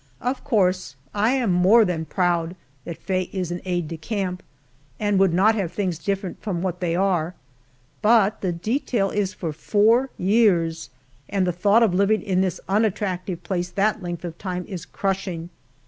Of course I am more than proud that Faye is an aide de camp, and would not have things different from what they are, but the detail is for four years, and the thought of living in this unattractive place that length of time is crushing.